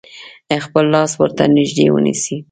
خپل لاس ورته نژدې ونیسئ.